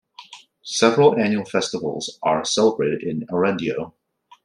Several annual festivals are celebrated in Erandio.